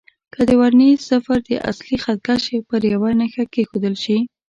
که د ورنيې صفر د اصلي خط کش پر یوه نښه کېښودل شي.